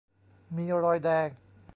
มีรอยแดง